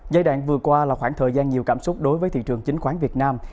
giai đoạn vừa qua là khoảng thời gian nhiều cảm xúc đối với thị trường chính khoán việt nam